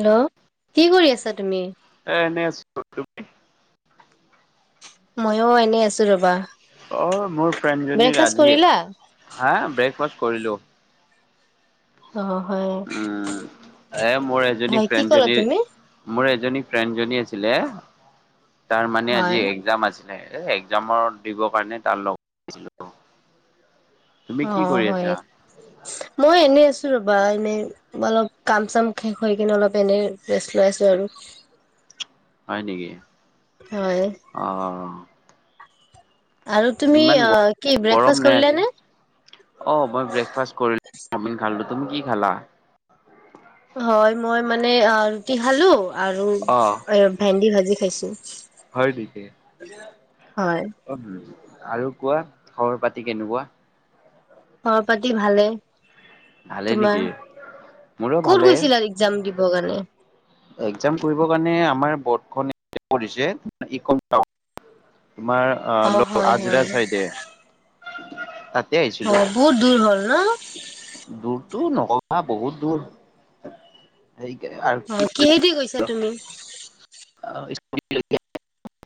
Hello কি কৰি আছা তুমি? এ এনেই আছো তুমি? ময়ো এনেই আছো ৰবা। অ মোৰ ব্ৰেকফাষ্ট ফ্ৰেডিয়ে কৰিলা? হা ব্ৰেক কৰিলোঁ অ হয় উম এ মোৰ এজনী হয় কি ক'লা ফ্ৰেডজনী, তুমি? মোৰ এ এজনী ফ্ৰেণ্ডজনী আছিলে কাৰাৰ মানে হয় আজি একজাম আছে একজামৰ দিবৰ কাৰণে তাৰ লগত আহিছিলো। অ হয় মই এনে আছো ৰবা এনেই অলপ কাম চাম শেষ কি অলপ এনে ৰেষ্ট লৈ আছো আৰু হয় নেকি? হয়। অ আৰু তুমি ইমান অ কি ব্ৰেকফাষ্ট গৰম নাই কৰিলা আজি নে? অ মই ব্ৰেকফাষ্ট কৰিলো চাওমিন খালো তুমি কি খালা? হয় মই মানে অ ৰুটি খালো। আৰু অ ভেন্দি ভাজি ভাজি খাইছোঁ হয় দিকে হয় অ বোলা আৰু কোৱা খবৰ পাতি কেনেকুৱা। খৰ পাতি ভালে। ভালে তোমাৰ? নেকি মোৰো ক'ত ভালে গৈছিলা এক্জাম দিবৰ কাৰণে? একজাম কৰিব কাৰণে আমাৰ বৰ্ড খনে কৰিছে ইকম টাও তোমাৰ আহ অ ল হয় হয় আজিৰাল চাইতে তাত অ বহুত দূৰ হল ন? দুৰটো নকবা বহুত দূৰ অ কিহেদি গৈছা তুমি [unintelligible]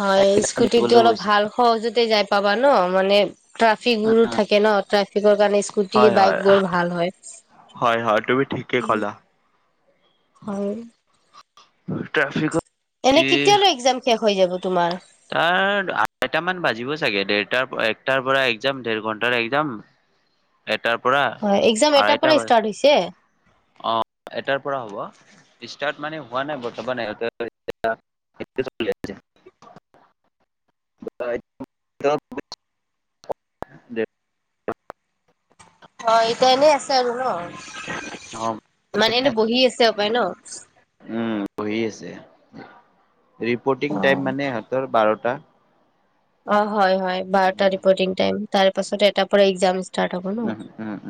হয় স্কুটিটো দিবলৈ অলপ গৈছে ভাল সহজতে যাই পাবা ন মানে ট্ৰাফিক বোৰো থাকে ন ট্ৰাফিকৰ কাৰণে স্কুটি হয় বাইক হয় বোৰ ভাল হয়। হয় হয় তুমি ঠিকে ক'লা হয় ট্ৰেফিকত এনে যি কেতিয়ালৈ একজাম শেষ হৈ যাব তোমাৰ তাৰ আটামান বাজিব চাগে দেৰটাৰ একটাৰ পৰা একজাম দেৰ ঘন্ট একজাম এটাৰ পৰা হয় একজাম এটাৰ পৰাই ষ্টাৰ্ট হৈছে অ'এটাৰ পৰা হ'ব ষ্টাৰ্ট মানে হোৱা নাই বৰ্তমান দে [unintelligible] অ এটোয়া এনেই আছে আছে আৰু ন অ মানে এনেই বহি আছে বাই ন উম বহি আছে অ ৰিপৰ্তিং টাইম মানে সিহঁতৰ বাৰটা, টা, অহ, হয় -হয় বাৰটা ৰিপৰ্টিং টাইম। তাৰ পাছত এটাৰ পৰা এক্সাম আছ, ষ্টাৰ্ট হব ন', উম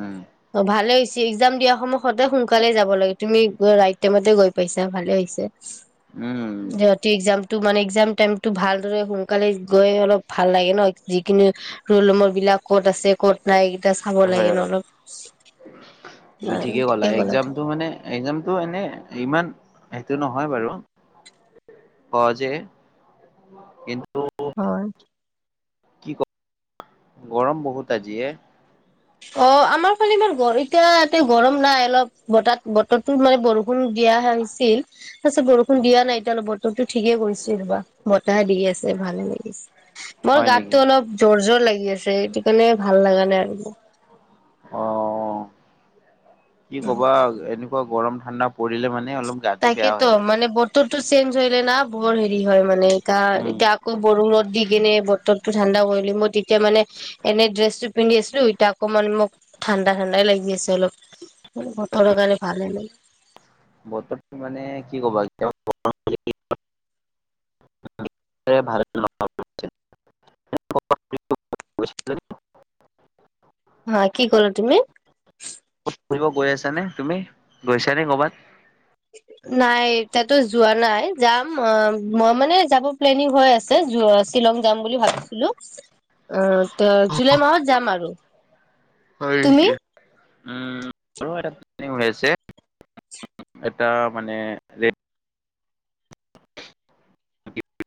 উম অহ, ভালে ইক্সাম দিয়া সময় সদায় সোনকালে যাব লাগে, তুমি গৈ ৰাইট টাইমতে গৈ পাইছা ভালে হৈছে। উম যতি একজাম, টো মানে একজাম টাইম টো ভালদৰে সোনকালে, গৈ অলপ ভাল লাগে ন', যিকিনি ৰোল নম্বৰ বিলাক ক'ত আছে ক'ত নাই, চাব লাগে হয়- ন হয়, অলপ তুমি ঠিকে কলা একজামটো মানে একজামটো এনে ইমান, সেইটো নহয় বাৰু সহজে কিন্তু, হয়। কি ক গৰম বহুত আজিয়ে, অ, আমাৰ ফালে এইবাৰ এতিয়া ইতে গৰম নাই, অলপ বতাহ, বতৰটো মানে বৰষুণ দিয়া হৈছিল তাৰপিছত বৰষুণ দিয়া নাই এতিয়া অলপ বতৰটো ঠিকে কৰিছিল ৰবা বতাহে দি আছে ভালে লাগিছে। মোৰ হয় নেকি গাতটো অলপ জৰ -জৰ লাগি, লাগি আছে সেটো কাৰণে ভাল লাগা নাই আৰু মো, অহ, কি কবা এনেকুৱা গৰম, ঠাণ্ডা পৰিলে মানে, অলপ গাটো বেয়া তাকেতো হয় মানে বতৰ, টো চেম, ধৰিলে না বৰ হেৰি হয় মানে গা উম এতিয়া আকৌ বৰষুণত দি, স কেনে বতৰ টো ঠাণ্ডা কৰিল মই তেতিয়া মানে এনে ড্ৰেছটো পিন্ধিচিলোএতিয়া অকমান মোক ঠাণ্ডা -ঠাণ্ডাই লাগি আছে অলপ বতৰৰ কাৰণে ভালে ল, [unintelligible] হয়, কি কলা তুমি? এনে তুমি গৈছা নে কবাত? নাই তাতো যোৱা নাই যাম মই, মই মানে যাব প্লেনিং হৈ আছে। শ্বিলং যাম বুলি ভাবিছিলো জুলাই মাহত যাম আৰু। হয়, তুমি নেকি উম, এ', প্লেনিং হৈ আছে এটা মানে ৰে,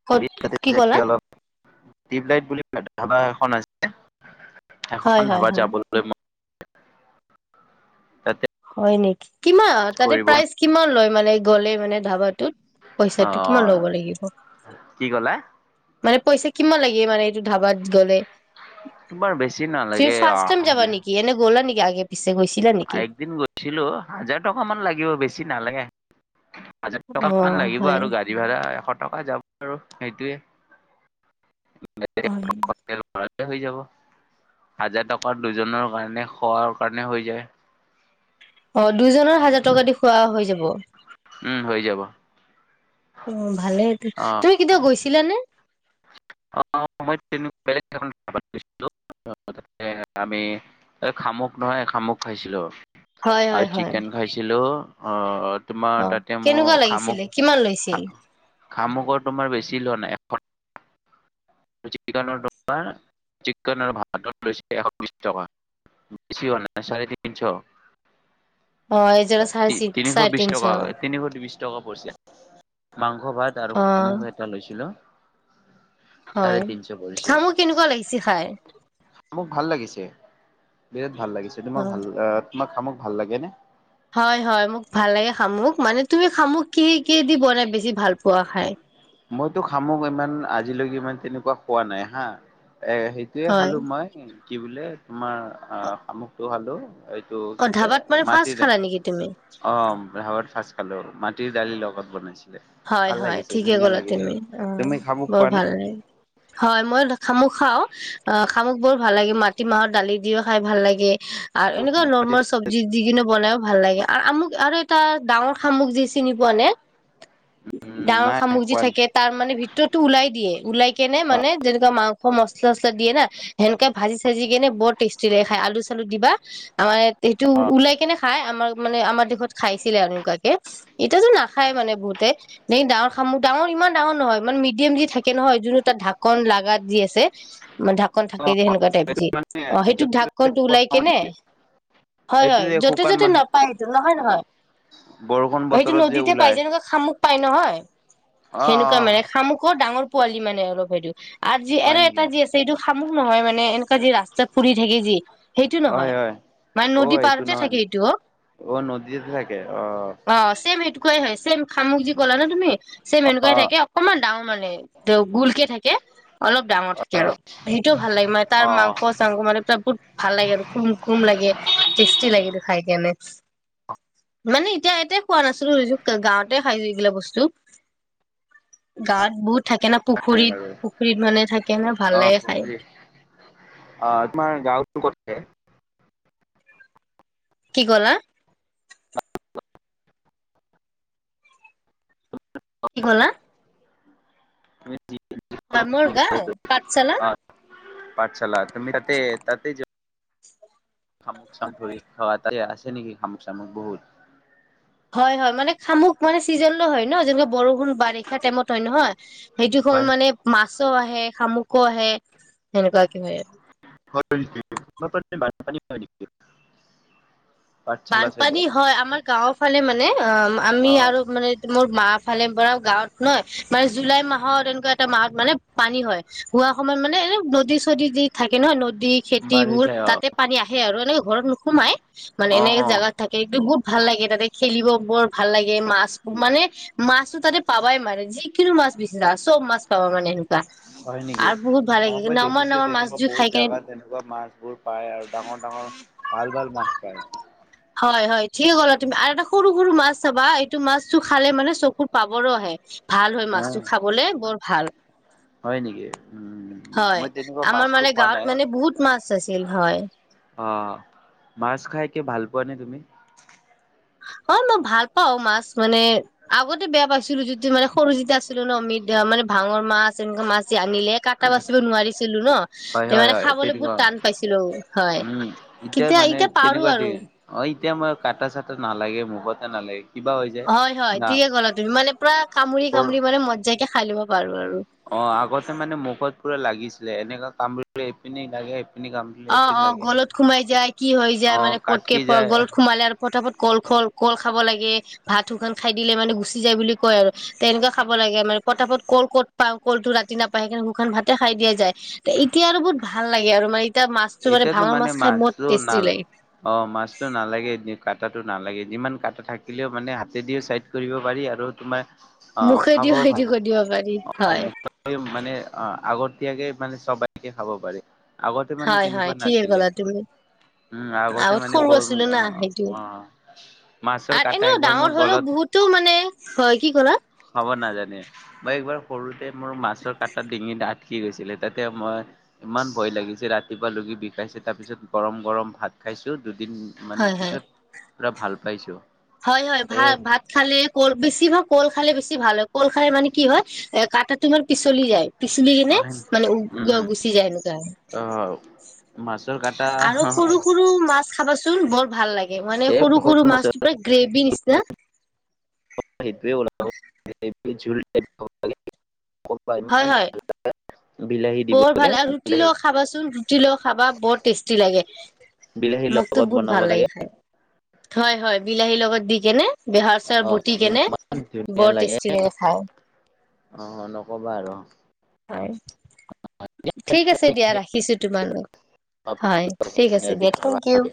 কত কি কলা? টিউবলাইট বুলি ধাবা এখন আছে, সেখন হয় হয় ধাবাত হয় যাবলৈ মন। [unintelligible] হয় নেকি? কিমান তাতে কৰিব প্ৰাইজ কিমান লয়? মানে গ'লেই মানে ধাবাটোত? পইচাটো কিমান আহ লব লাগিব? কি ক'লা মানে পইচা কিমান লাগে মানে এইটো ধাবাত গ'লে বৰ বেছি তুমি নালাগে ফাৰ্ষ্ট টাইম যাবা নেকি এনে গ'লা নেকি আগে পিছে গৈছিলা নেকি একদিন গৈছিলো হাজাৰ টকা মান লাগিব বেছি নালাগে হাজাৰ অ টকা মান লাগিব হয় আৰু গাড়ী ভাড়া এশ টকা যাব আৰু সেইটোৱে হয় হৈ যাব হাজাৰ টকা দুজনৰ কাৰণে খোৱাৰ কাৰণে হৈ যায় অ দুজনৰ হাজাৰ টকা দি খোৱা হৈ যাব উম হৈ যাব উ ভালে অ তুমি কেতিয়াবা গৈছিলানে অ মই কিবা বেলেগ কামত গৈছিলো আমি খামুক নহয় খামুক খাইছিলোঁ হয় [unintelligible] আৰু হয় হয় চিকেন খাইছিলো অ অ তোমাৰ তাতে মোৰ কেনেকুৱা খামুক লাগিছিলে কিমান লৈছিল খামুকৰ তোমাৰ বেছি লোৱা নাই [inaudible] চিকেন ভাত লৈ এশ বিশ টকা বেছি হোৱা নাই চাৰে তিনিশ অ এজনৰ চাৰে তি চি তিনিশ চাৰে বিশ তিনশ টকা অ তিনিশ বিশ টকা পৰিছিল মাংস ভাত আৰু শামুক এটা লৈছিলো হয় তিখা সামুক কেনেকুৱা লাগিছি খাই মোক ভাল লাগিছে বিৰাট ভাল লাগিছে অ তোমাক ভাল তোমাক খামাক ভাল লাগে নে হয় হয় মোক ভাল লাগে খামুক মানে তুমি খামুক কি কি দি বনাই বেছি ভাল পোৱা খাই মইতো খামো ইমান আজিলৈকে ইমান তেনেকুৱা খোৱা নাই হা এ সেইটোয়ে হয় খালো মই কি বোলে তোমাৰ অ সামুখটো ভালো টো অ বোলে ধাবাত মানে মাটি ফাৰ্ষ্ট দ খালা নেকি তুমি অাৱত ফ [unintelligible] খালো মাটিৰ দালি লগত বনাইছে ভাল লাগিছিল িকে গলা তুমি অ বৰ ভাল লাগে হয় মই খামুক খাও অ খামুক বৰ ভাল লাগে মাটি মাহত দালি দিও খাই ভাল লাগে আৰু এনেকুৱা নৰ্মল চব্জি দি কিনে [unintelligible] বনাইও ভাল লাগে আৰু আমুক আৰু এটা ডাঙৰ খামুক যি চিনি পোৱা নে ডাঙৰ নাই সামগ্ৰী খোৱা নাই। থাকে তাৰ মানে ভিতৰতো ওলাই দিয়ে ওলাই কেনে মানে যেনেকুৱা মাংস মচলা চচলা দিয় না সেনেকুৱে ভাজি ভাজি কেনে বৰ টেষ্টি লাগে খাই আলু চালু দিবা আমাৰ সেইটো ওলাই কেনে খাই আমাৰ মানে আমাৰ দেশত খাইছিলে আৰু এনেকুৱাকে এতিয়াতো নাখাই মানে বহু ডাঙৰ সাম ডাঙৰ ইমান ডাঙৰ নহয় মানে মিডিয়াম যি থাকে নহয় যোনো তাত ঢাকন লগাগাত যি আছে মান ঢাকন থাক সেই যে সেনেকুৱা টাইপ যি অ সেইটোক ঢাককনটো ওলাই কেনে হয় এইটো হয় যে য'তে শুকান য'তে মাহ নাপায় সেইটো নহয় নহয় বৰষুণ সেইটো বতৰত যে নদীতে পাই ওলাই যেনেকুৱা শামুক পাই নহয় অ অ সেনেকুৱা মানে শামুকৰো ডাঙৰ পোৱালি মানে অল হেৰি আৰু যি হয় আৰু এটা নেকি? যি আছে এইটো খামুহ নহয় মানে এনেুৱ কি ৰাস্তা ফুৰি থাকে যি সেইটো হয় নহয় হয়। মানে অ নদী এইটো পাৰতে নহয় থাকে এইটো অ অ নদীতে থাকে অ চছেম সটো হয় খামুকজি কল ন তুমি সেই অ মেনেকুৱাই থাকে অকমান ডাঙৰ মানে গুলকে থাকে অলপ ডাঙৰ থাকে আৰু সেইটোও ভাল লাগে মানে তাৰ অ মাংস চাংস মানে বহুত ভাল লাগে আৰু কুম কুম লাগে টেষ্টি লাগেটো খাই মানে এতিয়া এতে খোৱা নাছিলো গাঁৱত খাইছো এইবিলাক বস্তু গাত বহুত থাকে না হয় পুখুৰীত বাৰু পুখুৰীত মানে থাকে ন অ ভালে খায় পুখুৰী অ তোমাৰ গাঁৱতো কতে কি কলা [unintelligible] হয় মোৰ গাঁও পাঠশালা [unintelligible] [inaudible] পাঠশালা তুমি তাতে তাতে [unintelligible] [unintelligible] বহুত হয় হয় মানে খামুক মানে চিজন ল হয় ন যেনেকে বৰষুণ বাৰিষা টাইমত হয় নহয় সেইটো হল মানে মা আহে শামুকো আহে সেনেকুৱা কে হয় আৰু [inaudible] বানপানী হয় নেকি পাঠশালা চাইডে বানপানী হয় আমাৰ গাঁওৰ ফালে মানে অ আমি অ আৰু মানে মোৰ মা ফালে পৰাও গাঁৱত নহয় মানে জুলাই মাহত এনেকুৱা এটা মাহত মানে পানী হয় হোৱা সময়ত মানে এনে নদী চদী দি থাকে নহয় নদী খেতি বাঢ়ি বোৰ যায় অ তাতে পানী আহে আৰু এনেক ঘৰত নোসোমাই মান অ এনকে অ জেগাত থাকে [unintelligible] ভাল লাগে তাতে খেলিব বৰ ভাল লাগে, মাছ মানে মাছো তাতে পাবাই মানে যিকোনো মাছ বিচিৰা চব মাছ পাবা মানে হয়, নেকি? আৰু বহুত ভাল লাগে অ', মই নামৰ দেখিছোঁ নামৰ মাছ তেনেকুৱা জুই বহুত খাই কেনে জাগাত তেনেকুৱা মাছ বোৰ পায় আৰু ডাঙৰ, ডাঙৰ ভাল, ভাল মাছ পায়। হয়, হয় ঠিকে ক'লা তুমি আৰু এটা সৰু, সৰু মাছ চাবা এইটো মাছটো খালে মানে চকুৰ পাবাৰো আহে। ভাল হয়, হ মাছটো খাবলে বৰ ভাল হয় নেকি উম হয়, মই তেনেকুৱা আমাৰ মাছটো মানে খোৱা গাঁৱত নাই মানে বহুত মাছ আছিল হয়। অ', মাছ খাই কি ভাল পোৱা নে তুমি? অ', মই ভাল পাওঁ মাছ মানে আগতে বেয়া পাইছিলো যিটো মানে সৰু যেতিয়া আছিলো ন [unintelligible] মানে ভাঙৰ মাছ এনেকুৱা মাছ আনিলে কাটা বাচিব নোৱাৰিছিলো ন, হয়, হয়, তেমানে হয়, খাবলৈ বহুত তেনেকুৱা। টান পাইছিলোঁ হয়, উম, কিতিয়া মানে এতিয়া পাৰো তেনেকুৱা দি আৰু। অ', এতিয়া মই কাটা চাটা নালাগে মুখতে নালাগে কিবা হৈ যায় হয়, হয় না ঠিকে ক'লা তুমি মানে পুৰা কামুৰি, কামুৰি মানে মজাকে খায় ল'ব পাৰো আৰু। অ', আগতে মানে মুখত পুৰা লাগিচ এনেকুৱা কাম কৰিলে এইপিনে লাগে এইপিনি কামুৰিলে অ', এইপিনি অ', লাগে। গলত সোমাই যায়, কি হৈ যায় অ', মানে পতকে কাটকি যায় গলত সোমালে আৰু পতাফত কল-খল, কল খাব লাগে, ভাত শুকান খাই দিলে মানে গুচি যায় বুলি কয় আৰু তেনেকুৱা খাব লাগে মানে পতাপট কল ক'ত পাওঁ কলটো ৰাতি নাপায় সেইকাৰণে শুকান ভাতে খাই দিয়াই যায় তে, এতিয়া আৰু বহুত ভাল লাগে আৰু মা এতিয়াতো মানে মাছটো নাল লাগে অ', মাছতটো নালাগে [unintelligible] কটাটো নালাগে যিমান কাটা থাকিলেও মানে হাতেদিয়ে ছাইড কৰিব পাৰি আৰু তোমাৰ অ', মুখেদিয়ো খাবও ভাল হেইটো কৰি দিব পাৰি হয়। মুক্তভাৱে মানে অ', আগতিয়াকে মানে সবাইকে খাব পাৰি। আগতে মানে হয় হয় তেনেকুৱা ঠিকে নাছিলে ক'লা তুমি উম, আগতে আগত মানে সৰু ব আছিলো না সেইটো মাছৰ আৰু কাটা এনেও একবাৰ মোৰ ডাঙৰ হলেও গলত বহুতো মানে হয়, কি ক'লা? হ'ব নাজানে মই একবাৰ সৰুতে মোৰ মাছৰ কাটা ডিঙি আথখি গৈছিলে, তাতে মই ইমান ভয় লাগিছে ৰাতিপুৱা লকি বিষাইছে তাৰপিছত গৰম, গৰম ভাত খাইছোঁ, দু দিন মান পিছত পুৰা ভাল পাইছোঁ। হয়-হয় ভাত-ভাত খালে কল বেছি ভাগ কল খ খালে বেছি ভাল হয়, কল খালে মানে কি হয় এ কটা তো ইমাৰ পিচলি যায়। পিচলি কিনে উম, মানে গ উম, গুচি যায়, এনেকুৱা অ' মাছৰ কাটা আৰু সৰু সৰু মাছ খাবাচোন বৰ ভাল লাগে মানে এ সৰু সৰু মাছ মাছৰ গ্ৰেভি নিচনা। [unintelligible] [unintelligible] হয় হয় [unintelligible] বৰ লাগে ভাল আৰু ৰুটি বিলাহী লগ খাবাচোন ৰুটি লগ খাবা বৰ টেষ্টি লাগে বিলাহীৰ মোকতো লগত বহুত বনাব ভাল লাগে খাই, হয়-হয় বিলাহীৰ লগত দি কেনে? বেহাৰ চৰ অ বুটি কেনে ইমান ধুনীয়া বৰ টেষ্টি লাগে খায়, অ নকবা আৰু হয়। ঠিক আছে দিয়া ৰাখিছো, তোমালোক হয়, ঠিক আছে দিয়া বিষয়ে থেংক ইউ। ভালকে